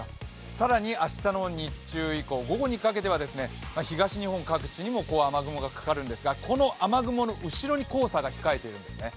更に明日の日中以降、午後にかけては、東日本各地にも雨雲がかかるんですが、この雨雲の後ろに黄砂が控えているんですね。